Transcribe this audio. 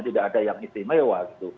tidak ada yang istimewa